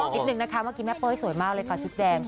นิดนึงนะคะเมื่อกี้แม่เป้ยสวยมากเลยค่ะชุดแดง